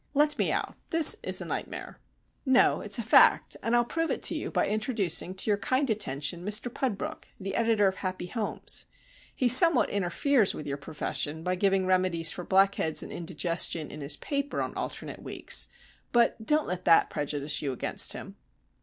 "Let me out. This is a nightmare." "No, it's a fact, and I'll prove it to you by introducing to your kind attention Mr Pudbrook, the editor of Happy Homes. He somewhat interferes with your profession by giving remedies for black heads and indigestion in his paper on alternate weeks. But don't let that prejudice you against him."